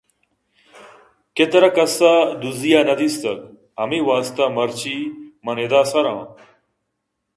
کہ ترا کسّ ءَدزّی ءَ نہ دیستگ؟ ہمے واسطہ مرچی من اِد ءَ سَراں